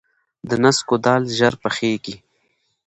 د نسکو دال ژر پخیږي.